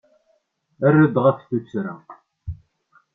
Err-d ɣef tuttra.